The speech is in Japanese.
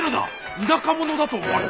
田舎者だと思われる。